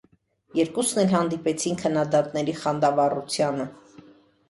Երկուսն էլ հանդիպեցին քննադատների խանդավառությանը։